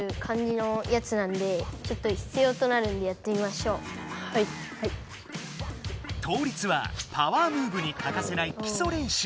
こういう倒立はパワームーブにかかせない基礎練習！